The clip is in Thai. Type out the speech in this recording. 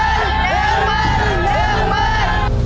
เงิน